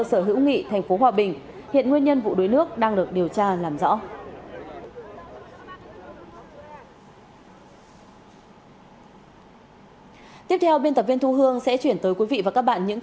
xin kính chào quý vị và các bạn